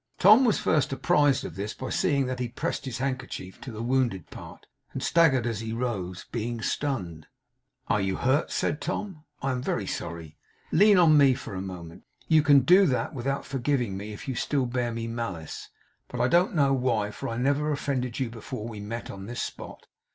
Tom was first apprised of this by seeing that he pressed his handkerchief to the wounded part, and staggered as he rose, being stunned. 'Are you hurt?' said Tom. 'I am very sorry. Lean on me for a moment. You can do that without forgiving me, if you still bear me malice. But I don't know why; for I never offended you before we met on this spot.